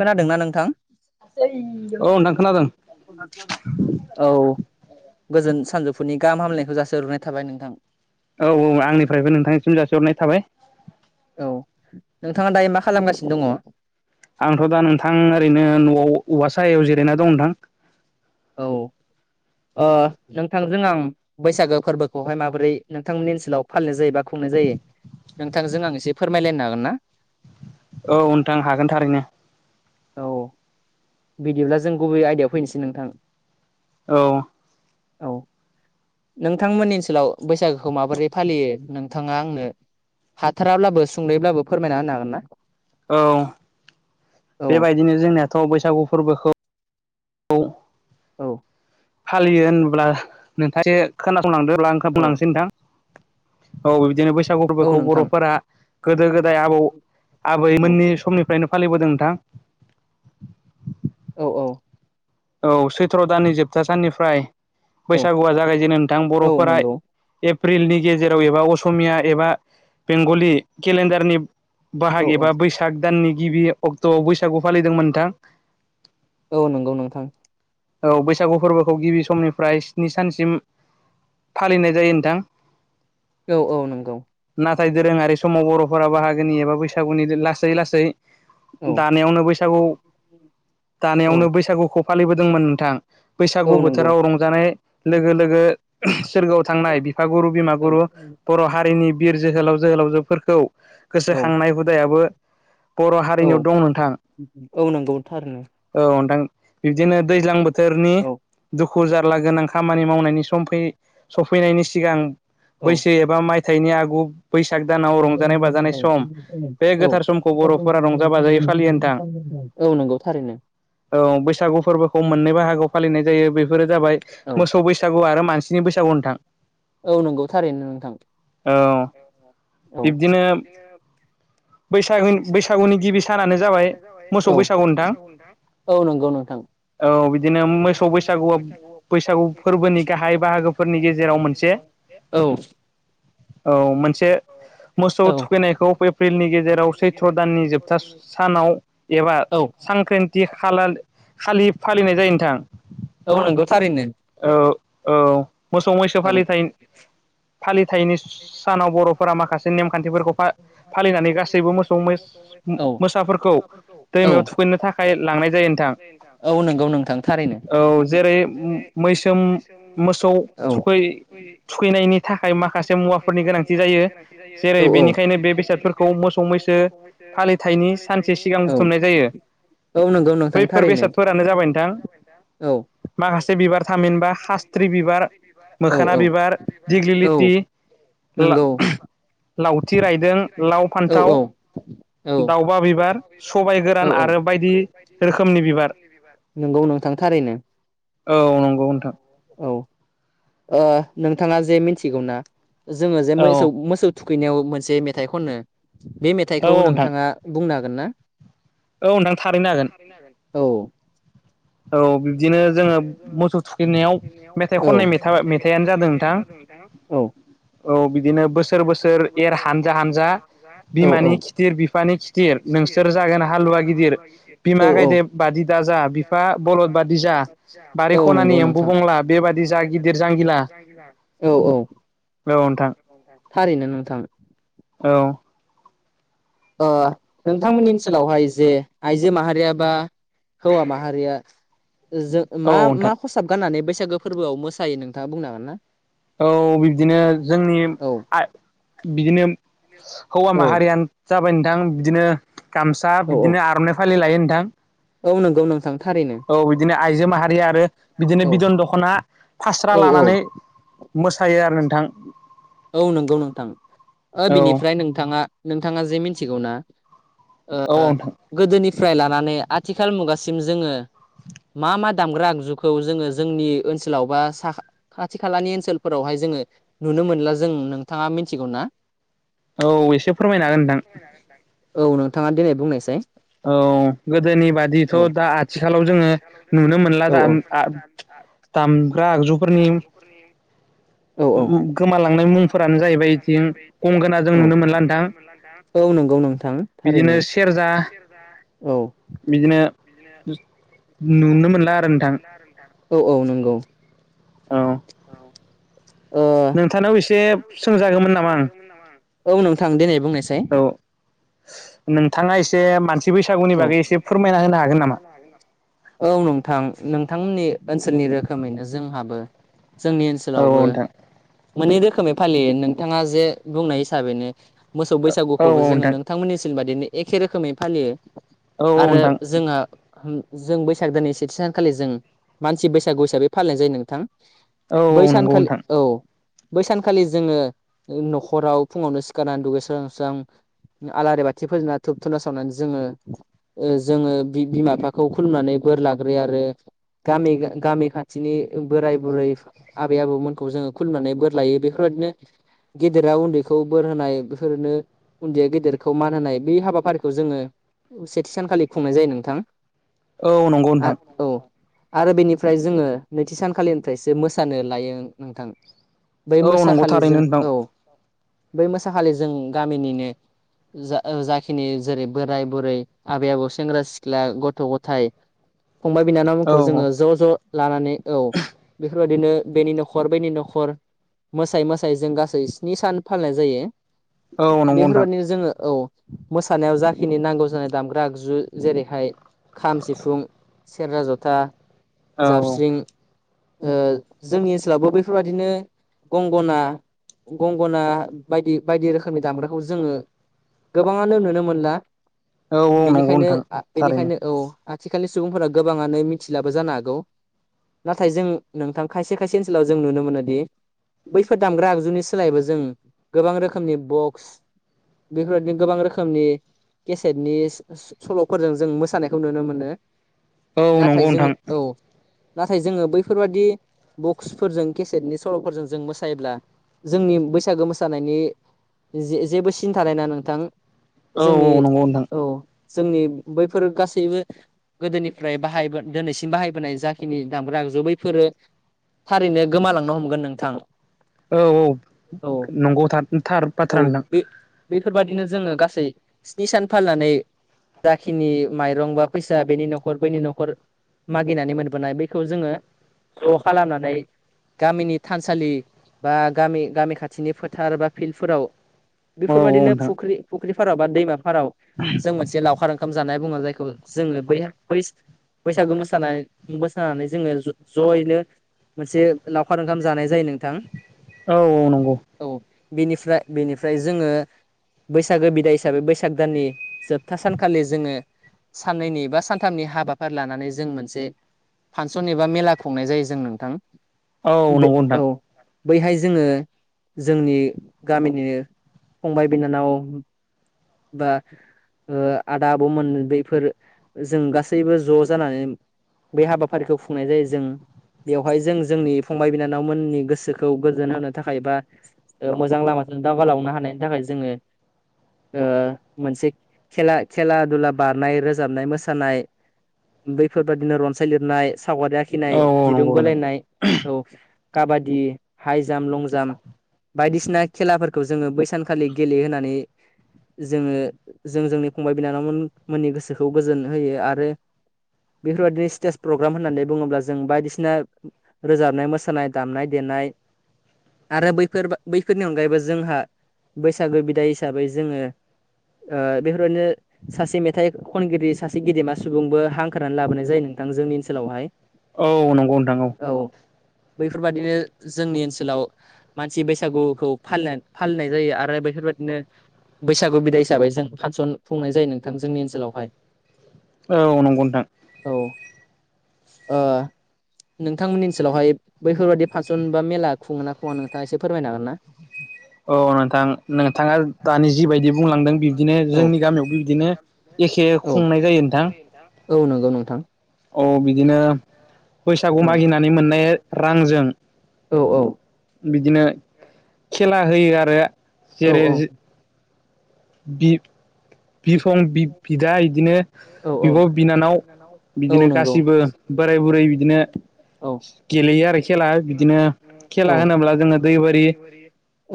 खोनादोंना नोंथां औ नोंथां खोनादों औ गोजोन सानजौफुनि गाहाम हामलायनायखौ जसिहरनाय थाबाय नोंथां औ औ आंनिफ्रायबो नोंथांनिसिम जासिहरनाय थाबाय। औ नोंथाङा दायो मा खालामगासिनो दङ। आंथ' दा नोंथां ओरैनो न'आव औवा साहायाव जिरायना दं नोंथां। औ ओ नोंथांजों आं बैसागो फोरबोखौहाय माबोरै नोंथांमोननि ओनसोलाव फालिनाय जायो बा खुंनायनाय जायो नोंथांजों आं एसे फोरमायलायनो हागोन ना? औ नोंथां हागोन थारैनो। औ बिदिब्ला जों गुबै आयडायाव फैनोसै नोंथां। औ औ नोंथांमोननि ओनसोलाव बैसागोखौ माबोरै फालियो नोंथाङा आंनो हाथाराब्लाबो सुंदब्लाबो फोरमायना होनो हागोन ना? औ औ बेबायदिनो जोंनियाथ' बैसागु फोरबोखौ। औ फालियो होनब्ला नोंथां खोनासंलांदब्ला ओ औ बुंलांसै नोंथां। औ बिदिनो बै फिसा औ गबोखौ नोंथां बर'फोरा गोदो गोदाय आबौ औ आबैमोननि समनिफ्रायनो फालिबोदों। [unintelligible] औ औ औ सैथ्र' दाननि जोबथा साननिफ्राय औ बैसागुआ जागायजेनो नोंथां औ बर'फोरा एफ नंगौ एप्रिलनि गेजेराव एबा असमिया एबा बेंगलि केलेन्डारनि औ बाहाग औ एबा बैसाग दाननि गिबि अक्ट'आव बैसागु फालिदोंमो नोंथां। औ नंगौ नोंथां। औ बैसागु फोरबोखौ गिबि समनिफ्राय स्नि सानसिम। फालिनाय जायो नोंथां। औ औ नंगौ। नाथाय दोरोङारि समाव बर'फोरा बाहागोनि एबा बैसागुनि लासै लासै औ दानायावनो बैसागु औ दानायावनो बैसागु फालिबोदोंमोन नोंथां औ बैसागु नंगौ बोथोराव रंजानाय लोगो लोगो सोरगोआव थांनाय बिफागुरु बिमा गुरु ओं बर' हारिनि बिर जोहोलाव जोहोलावजोफोरखौ गोसोखांनाय हुदायाबो बर' औ हारिनियाव दं नोंथां औ औ नंगौ थारनो औ नोंथां। बिबदिनो दैज्लां बोथोरनि औ दुखु जारला गोनां खामानि मावनायनि सम सफैनायनि सिगां औ बैसो एबा माइ थैनि आगु बैसाग दानाव रंजानाय बाजानाय सम बे गोथार समखौ बर'फोरा रंजा बाजायै फालियो नोंथां। औ नंगौ थारैनो। औ बैसागु फोरबोखौ मोननै बाहागोआव फालिनाय जायो बेफोरो जाबाय औ मोसौ बैसागु आरो मान स्नि बैसागु नोथां। औ नंगौ थारैनो नोंथां औ औ बिब्दिनो बैसागु बैसाग बैसागुनि गिबि सानानो बैसागुनि सानो जाबाय मोसौ औथ बैसागु नोंथां औ नंगौ नोंथां। औ बिदिनो मसौ बैसागुआव बैसागु फोरबोनि गाहाय बाहागोफोरनि गेजेराव मोनसे [unintelligible] औ औ मोनसे मोसौ औ थुखैनायखौ बेब प्रिलनि गेजेराव सैथ्र' दाननि जोबथा सानाव एबा औ सांक्रान्ति खालाल खालि फालिनाय जायो नोंथां। औ नंगौ थारैनो। औ औ मोसौ मैसो औ फालिथाय फिथाइनि सानाव बर'फोरा माखासे नेमखान्थिफोरखौ फालिनानै गासैबो मोसौ औ मोसाफोरखौ औ दैमायाव थुखैनो थाखाय लांनाय जायो नोंथां। औ नंगौ नोंथां थारैनो औ जेरै मैसोम मोसौ औ थुखै थुखैनायनि थाखाय माखासे मुवाफोरनि गोनांथि जायो जेरै औ औ बेनिखायनो जेरै बे बेसाद बेनिखायनो बे फोरखौ मोसौ मैसो फालिथायनि सानसे फालिथायनि सिगां औ बुथुमनाय जायो। औ नंगौ नोंथां बैफोर थारैनो बेसादफोरानो जाबाय नोंथां। औ। माखासे बिबार थामहिनबा खासथ्रि बिबार औ मोखोना औ बिबार औ दिग्लिलिथि नंगौ लावथि रायदों लाव फान्थाव औ औ दाउबा बिबार औ सबाइ गोरान आरो बायदि औ रोखोमनि बिबार औ नंगौ। थारैनो औ नंगौ नोंथां। औ नोंथाङा ओ जे मिथिगौनाा जोङो जे औ मोसौ मोसौ थुखैनायाव मोनसे मेथाइ खनो बे मेथाइखौ औ नोंथां नोंथाङा बुंनो हागोन ना? औ नोंथां थारैनो हागोन। औ। औ बिब्दिनो जोङो मोसौ थुखैनायाव मेथाइ औ खननाय औ मेथाइ मेथाइआानो जादों दा औ बिदिनो बोसोर बोसोर एर हानजा हानजा बिमानि खिथिर बिफानि खिथिर नोंसोर जागोन हालुवा गिदिर, औ बिमा गायदे बादि दा जा बलद बादि जा औ बारि ख औ नंगौ खनानि एम्बु नोंथां बुंला बेबादि जा गिदिर जांगिला। औ औ औ नोंथां थारैनो नोंथां। औ। ओ नोंथांमोननि ओनसोलावहाय जे आइजो माहारिय बा हौवा माहारिया। जों औ मा नोंथां मा खसाब गाननानै बैसागो फोरबोआव मोसायो नोंथाङा बुंनो हागोन ना? औ बिदिनो जोंनि औ आइ बिदिनो हौवा औ माहारिया जाबाय नोंथां बिदिनो गामसा औ बिदिनो आर'नाइ फालि लायो नोंथां। औ नंगौ नोंथां। थारैनो औ बिदिनो आइजो माहारिया आरो बिदिनो औ बिदन दख'ना फास्रा औ औ लानानै मोसायो आरो नोंथां। औ नंगौ नोंथां औ बिनिफ्राय नोंथाङा नोंथाङा जे मिथिगौ ना औ ओ औ नोंथां गोदोनिफ्राय लानानै आथिखाल मुगासिम जोङो। मा मा दामग्रा आगजुखौ जोङो जोंनि ओनसोलाव बा खाथि खालानि ओनसोलफोरावहाय जों जोङो नुनो मोनला जों नोंथाङा मिथिगौ ना? औ एसे फोरमायनो हागोन नोंथां। औ नोंथाङा दिनै बुंनायसाय। औ गोदोनि बादिथ' दा आथिखालाव जोङो नुनो मोनला औ दा आ दामग्रा आगजुफोरनि औ ओम ओम गोमालां नाय मुंफोरानो जाहैबाय बिथिं गंगोना जों औ नुनो औ मोनला नोथां औ नंगौ नोंथां थारैनो बिदिनो सेरजा औ बिदिनो नु-नुनो मोनला आरो नोंथां। औ औ नंगौ। औ। ओ, नोंथांनाव एसे सोंजागौमोन नामा आं औ नोंथां देनाय बुंनाय। साय। औ नोंथाङा एसे मानसि बैसागुनि औ बागै एसे फोरमायना होनो हागोन नामा? औ नोंथां। थां नोंथांमोननि ओनसोलनि रोखोमैनो जोंहाबो जोंनि औ ओनसोलावबो नोंथां मोननै रोखोमै फालियो नोंथाङा जे बुंनाय हिसाबैनो मोसौ औ बैसागुखौबो जोङो नोंथां नोंथांमोननिसिम बादिनो एखे रोखोमै फालियो। औ औ आरो नोंथां जोंहा [unintelligible] जों बैसाग दाननि से थि सानखालि जों मानसि बैसागु हिसाबै फालिनाय जायो नोंथां। औ औ नंगौ बैसानखालि नोंथां औ। बै सानखालि जोङो न'खराव फुङावनो सिखारनानै दुगैस्रां लोबस्रां आलारि बाथि फोजोंना धुुब धुना सावनानै जोङो ओ जोङो बि-बिमा बिफाखौ खुलुमनानै बोर ला ग्रोयो आरो गामि गा-गामि खाथिनि बोराय बुरै आबै आबौमोनखौ जोङो खुलुमनानै बोर लायो बेफोरबा - दिनो गेदेरा उन्दैखौ बोर होनाय बेफोरनो उन्दैया गेदेरखौ मान होनाय बे हाबाफारिखौ जोङो सेथि सानखालि खुंनाय जायो नोंथां। औ नंगौ नोंथां। औ आरो बेनिफ्राय जोङो नैथि सानखालिनिफ्रायसो मोसानो लायो नोंथां। बै औ नंगौ मोसाखालि जों थारैनो नोंथां औ बै मोसाखालि जों गामिनिनो जा-जाखिनि जेरै बोराय बुरै आबै आबौ सेंग्रा सिख्ला गथ' गथाइ फंबाय औ बिनानावमोनखौ जोङो ज' ज' लानानै औ बेफोरबायदिनो बेनि न'खर बैनि न'खर मोसायै मोसायै जों गासै स्नि सान फालिनाय जायो। औ औ नंगौ नोंथां बेफोरबायादिनो जोङो औ। मोसानायाव जाखिनि नांगौ जानाय दामग्रा आगजु जेरैहाय खाम सिफुं सेरजा जथा औ जाबस्रिं ओ जोंनि ओनसोलावबो बेैफोरबादिनो गंगना गंगना बायदि बायदि रोखोमनि दामग्राखौ जोङो गोबाङानो नुनो मोनला औ औ नंगौ बेनिखायनो नोंथां आ थारैनो बेनिखायनो औ आथिखालनि सुबुंफोरा गोबाङानो मिथिलाबो जानो हागौ। नाथाय जों नोंथां खायसे खायसे ओनसोलाव जों नुनो मोनोदि बैफोर दामग्रा आगजुनि सोलायबो जों गोबां रोखोमनि बक्स बेफोरबायदिनो गोबां रोखोमनि केसेटनि स-सल'फोरजों जों मोसानायखौ नुनो मोनो। औ नाथाय नंगौ जोङो नोंथां औ। नाथाय जोङो बैफोरबादि बक्सफोरजों केसेटनि सल'फोरजों जों मोसायोब्ला जोंनि बैसागो मोसानायनि जे-जेबो सिन थानाय नोङा नोंथां। औ औ जोंनि नंगौ नोंथां औ जोंनि बैफोर गासैबो गोदोनिफ्राय बाहायबो दिनैसिम बाहायबोनाय जाखिनि दामग्रा आगजु बैफोरो थारैनो गोमालांनो हमगोन नोंथां। औ औ औ नंगौ थाद थार बाथ्रा नोंथां। बेफोरबायदिनो जोङो गासै स्नि सान फालिनानै जाखिनि माइरं बा फैसा सा बेनि न'खर बैनि न'खर मागिनानै मोनबोनाय बैखौ जोङो ज' खालामनानै गामिनि थानसालि बा गामि गामि खाथिनि फोथार बा फिल्डफोराव औ औ बेफोरबायदिनो नोंथां फुख्रि फुख्रिफाराव बा दैमाफाराव जों मोनसे लावखार ओंखाम जानाय बुङो जाय जोङो बै बैसा-बैसागो मोसानाय मोसानानै जोङो ज-जयैनो मोनसे लावखार ओंखाम जानाय जायो नों औ औ नंगौ। बेनिफ्राय बेनिफ्राय जोङो बैसागो बिदाय हिसाबै बैसाग दाननि जोबथा सानखालि जोङो साननैनि बा सानथामनि हाबाफारि लानानै जों मोनसे फानसन एबा मेला खुंनाय जायो जों नोंथां। औ बे नंगौ औ नोंथां। बैहाय जोङो जोंनि गामिनिनो फंबाय बिनानाव बा ओ आदा आबमोन बे फोर जों गासैबो ज' जानानै बे हाबाफारिखौ खुंनाय जायो जों बेवहाय जों जोंनि फंबाय बिनानावमोननि गोसोखौ गोजोन होनो थाखाय बा ओ मोजां लामा जों दावगालांनो हानायनि थाखाय जोङो ओ मोनसे खेला खेला दुला बार नाय रोजाबनाय मोसानाय बैफोरबादिनो रनसाय लिरनाय सावगारि आखिनाय औ औ दिरुं नंगौ नोंथां बोलायनाय औ काबादि हाइ जाम्प, लं जाम्प बायदिसिना खेलाफोरखौ जोङो बैसानखालि गेलेहनानै जोङो जों जोंनि फंबाय बिनानावमोन मोननि गोसोखौ गोजोन होयो आरो। बेफोरबायदिनो स्टेज प्रग्राम होननानै बुङोब्ला जों बायदिसिना रोजाबनाय मोसानाय दामनाय दे नाय [unintelligible] आरो बैफोर बैफोरनि अनगायैबो जोंहा बैसागो बिदाय हिसाबै जोङो ओ बेफोरदिनो सासे मे थाय खनगिरि सासे गेदेमा सुबुंबो हांखखारनानै लाबोनाय जायो नोंथां जोंनि ओनसोलावहाय। औ नंगौ नोंथां औ। बैफोरबादिनो जोंनि ओनसोलाव मानसि बैसागुखौ फालि फालिनाय जायो आरो। बेफोरबायाददिनो बैसागु बिदाय हिसाबै जों फानसन खुंनाय जायो नोंथां जोंनि ओनसोलावहाय औ नंगौ नोंथां। औ ओ नोंथांमोननि ओनसोलावहाय बैफोरबायाददि फांसन बा मेला खुङो ना खुङा नोंथाङा एसे फोरमायनो हागोन ना? [inaudible] औ नोंथां नोंथाङा दानि जिबायदि बुंलांदों बिब्दिनो औ जोंनि गामियावबो बिदिनो एखे औ खुंनाय जायो नोंथां औ नंगौ नोंथां औ बिदिनो औ बैसागु मागिनानै मोननाय रांजों औ औ बिदिनो खेला होयो आरो औ जेरै औ बि बिफं बिदा बिदिनो औ औ बिब' बिनानाव औ बिदिनो नंगौ गासिबो बोराय बुरै बिदिनो औ गेलेयो आरो खेला बिदिनो खेला औ होनोब्ला जोङो दै बारि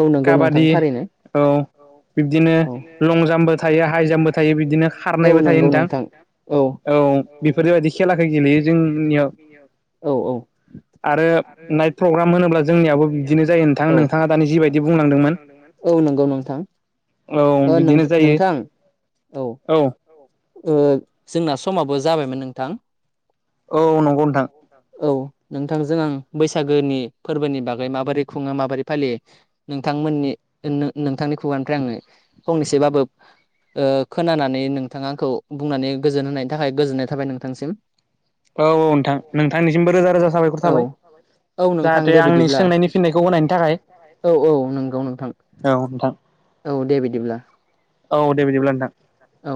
औ नंगौ नोंथां काबादि थारैनो औ बिबदि बिदिनो लं जाम्पबो थायो हाइ जाम्पबो थायो बिदिनो औ खारनायबो थायो नंगौ नोंथां औ औ। बेफोरबायदि खेलाखौ गेलेयो जोंनियाव [inaudible] औ औ आरो नाइट प्रग्राम होनोब्ला जोंनियाबो बिदिनो जायो नोंथां। नोंथाङा दानि जिबायदि बुंलांदोंमोन [inaudible] औ नंगौ नोंथां। औ ओ बिदिनो नों- जायो नोंथां [inaudible] औ ओ जोंना समाबो जाबायमोन नोंथां। औ नंगौ नोंथां। औ नोंथांजों आं बैसागोनि फोरबोनि बागै माबोरै खुङो माबोरै फालियो नोंथांमोननि नो- नोंथांनि खुगानिफ्राय आङो फंनैसोबाबो ओ खोनानानै नोंथाङा खौ बुंनानै गोजोन होनायनि थाखाय गोजोननाय थाबाय नोंथांसिम। औ औ खौ औ औ नोंथां दे बिदिब्ला होनायनि थाखाय। औ औ नंगौ नोंथां औ नोंथां [inaudible] औ दे बिदिब्ला। औ दे बिदिब्ला नोंथां। औ